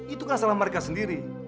itu kan salah mereka sendiri